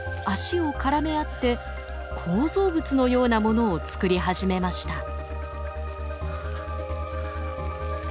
足を絡め合って構造物のようなものを作り始めました。